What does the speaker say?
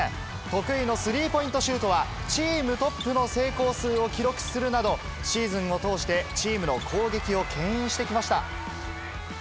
得意のスリーポイントシュートは、チームトップの成功数を記録するなど、シーズンを通してチームの攻撃をけん引してきました。